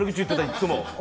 いつも。